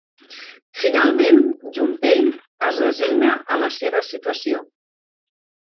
Finalment, Junpei es resigna a la seva situació.